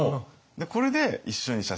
これで一緒に写真こちら